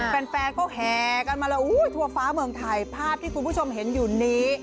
แฟนเขาแห่กันมาแล้วทั่วฟ้าเมืองไทยภาพที่คุณผู้ชมเห็นอยู่นี้